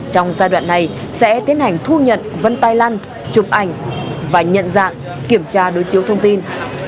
thời gian này sẽ tiến hành thu nhận vấn tai lăn chụp ảnh và nhận dạng kiểm tra đối chiếu thông tin